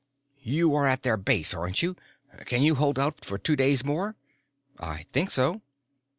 You are at their base, aren't you? Can you hold out for two days more?" "I think so."